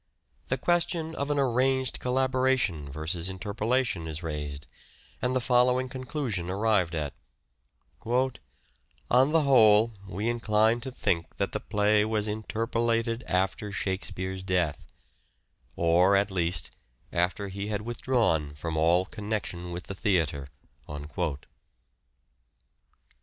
The question of an arranged collaboration versus interpolation is raised, and the following conclusion arrived at :—" On the whole we incline to think that the play was interpolated after Shakespeare's death — or, at at least, after he had withdrawn from all connection with the theatre."